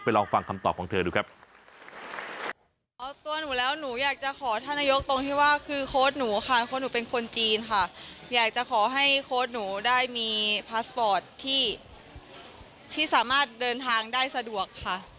ลองฟังคำตอบของเธอดูครับ